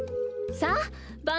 さあばん